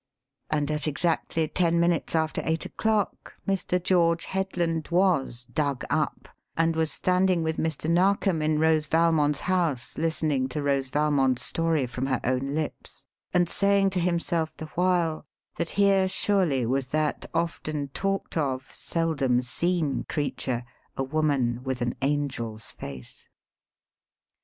And at exactly ten minutes after eight o'clock, Mr. George Headland was 'dug up' and was standing with Mr. Narkom in Rose Valmond's house listening to Rose Valmond's story from her own lips, and saying to himself, the while, that here surely was that often talked of, seldom seen creature, a woman with an angel's face.